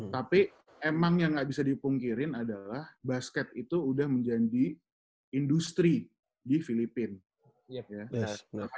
tapi emang yang gak bisa dipungkirin adalah basket itu udah menjadi industri di filipina